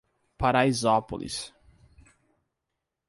Paraisópolis